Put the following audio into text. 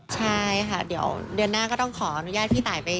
ใช่ค่ะเดี๋ยวเดือนหน้าก็ต้องขออนุญาตพี่ตายไป